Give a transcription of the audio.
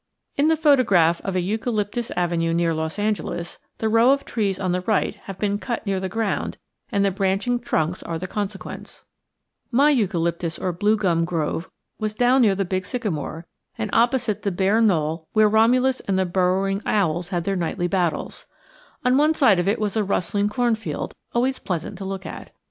In the photograph of a eucalyptus avenue near Los Angeles, the row of trees on the right have been cut near the ground and the branching trunks are the consequence. [Illustration: EUCALYPTUS AVENUE, SHOWING POLLARDED TREES ON THE RIGHT, NEAR LOS ANGELES] My eucalyptus or blue gum grove was down near the big sycamore, and opposite the bare knoll where Romulus and the burrowing owls had their nightly battles. On one side of it was a rustling cornfield always pleasant to look at.